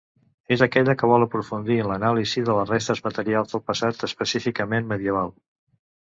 És aquella que vol aprofundir en l'anàlisi de les restes materials del passat específicament medieval.